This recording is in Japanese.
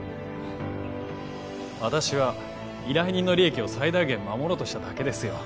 私は依頼人の利益を最大限守ろうとしただけですよ